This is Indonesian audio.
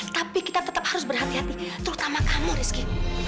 tapi kita tetap harus berhati hati terutama kamu rizky